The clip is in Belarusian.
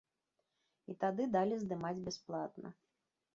І тады далі здымаць бясплатна.